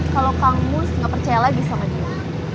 kalo kamu gak percaya lagi sama dia